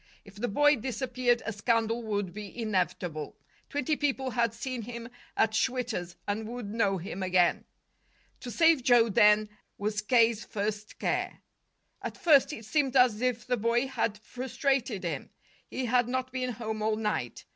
If the boy disappeared, a scandal would be inevitable. Twenty people had seen him at Schwitter's and would know him again. To save Joe, then, was K.'s first care. At first it seemed as if the boy had frustrated him. He had not been home all night.